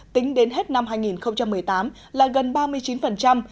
tính đến hết năm hai nghìn một mươi tám là gần ba mươi chín cao hơn bốn so với năm hai nghìn một mươi sáu